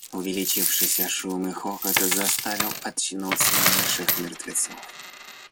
Увеличившийся шум и хохот заставили очнуться наших мертвецов.